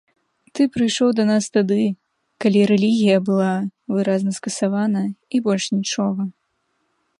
Ты прыйшоў да нас тады, калі рэлігія была выразна скасавана і больш нічога.